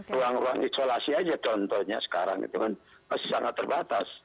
ruang ruang isolasi aja contohnya sekarang itu kan masih sangat terbatas